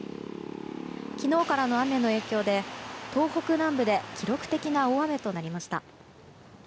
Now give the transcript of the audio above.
昨日からの雨の影響で東北南部で記録的な大雨となりました。